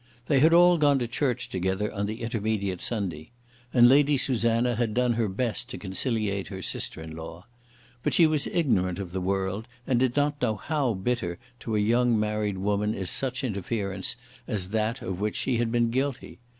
They had all gone to church together on the intermediate Sunday, and Lady Susanna had done her best to conciliate her sister in law. But she was ignorant of the world, and did not know how bitter to a young married woman is such interference as that of which she had been guilty.